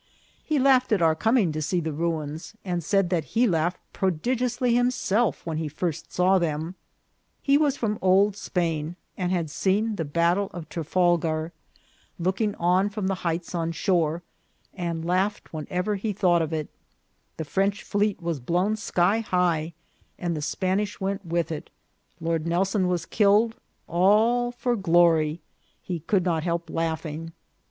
He laughed at our coming to see the ruins, and said that he laughed prodigiously himself when he first saw them. He was from Old Spain ; had seen the battle of Trafal gar, looking on from the heights on shore, and laughed whenever he thought of it ; the French fleet was blown sky high, and the Spanish went with it ; Lord Nelson was killed — all for glory — he could not help laughing.